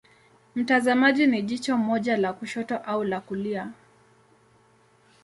Mtazamaji ni jicho moja la kushoto au la kulia.